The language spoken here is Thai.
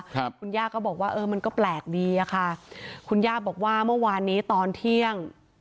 ครับคุณย่าก็บอกว่าเออมันก็แปลกดีอะค่ะคุณย่าบอกว่าเมื่อวานนี้ตอนเที่ยง